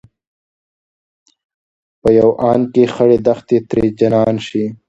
په يو آن کې خړې دښتې ترې جنان شي